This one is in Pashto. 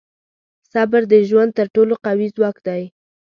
• صبر د ژوند تر ټولو قوي ځواک دی.